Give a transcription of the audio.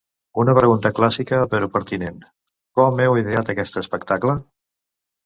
Una pregunta clàssica però pertinent: com heu ideat aquest espectacle?